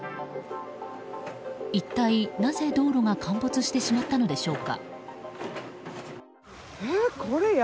一体、なぜ道路が陥没してしまったのでしょうか。